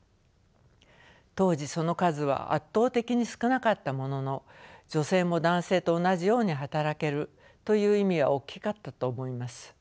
当時その数は圧倒的に少なかったものの女性も男性と同じように働けるという意味は大きかったと思います。